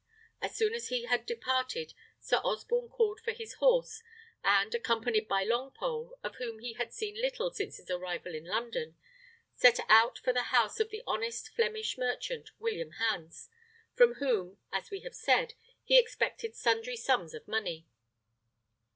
As soon as he had departed, Sir Osborne called for his horse, and, accompanied by Longpole, of whom he had seen little since his arrival in London, set out for the house of the honest Flemish merchant, William Hans, from whom, as we have said, he expected sundry sums of money.